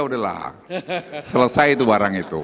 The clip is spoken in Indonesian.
udahlah selesai itu barang itu